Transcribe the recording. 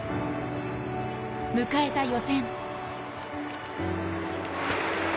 迎えた予選。